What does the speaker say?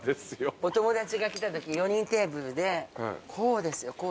お友達が来たとき４人テーブルでこうですよ